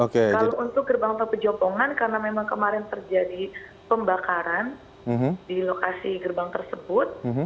kalau untuk gerbang tol pejopongan karena memang kemarin terjadi pembakaran di lokasi gerbang tersebut